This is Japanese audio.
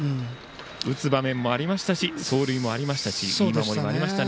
打つ場面もありましたし走塁もありましたしいい守りもありましたね。